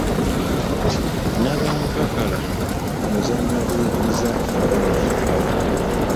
Nabankakaala muzannyo oguyigiriza abaana okubala.